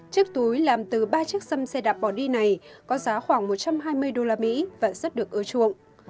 chiếc túi làm từ ba chiếc xăm xe đạp bỏ đi này có giá khoảng một trăm hai mươi đô la mỹ và rất được ưa chuộng